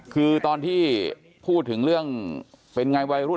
คือตอนที่พูดถึงเรื่องเป็นไงวัยรุ่น